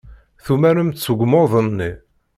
Tumaremt s ugmuḍ-nni.